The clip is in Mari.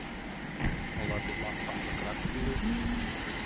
Ала тудлан самырыкрак кӱлеш?